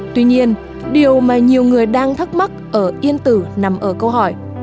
tuy nhiên điều mà nhiều người đang thắc mắc ở yên tử nằm ở câu hỏi